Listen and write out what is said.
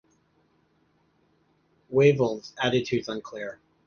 Wavell's attitude is unclear.